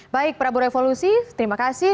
baik prabu revolusi terima kasih